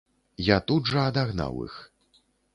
Я тут жа адагнаў іх.